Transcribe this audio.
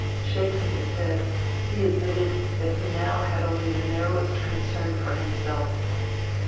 Shaking his head, he admitted that he now had only the narrowest concern for himself.